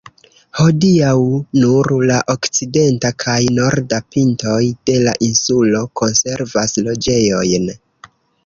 Hodiaŭ, nur la okcidenta kaj norda pintoj de la insulo konservas loĝejojn.